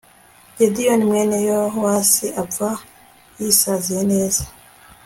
gideyoni, mwene yowasi, apfa yisaziye neza